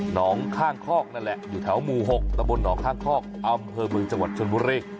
น้องข้างคอกนั่นแหละอยู่แถวหมู่๖ตะบนหนองข้างคอกอำเภอเมืองจังหวัดชนบุรี